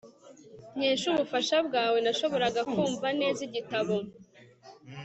nkesha ubufasha bwawe, nashoboraga kumva neza igitabo